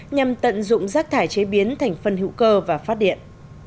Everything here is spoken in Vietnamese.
nhằm tận dụng rác thải chế biến thành phân hữu cơ và phát điện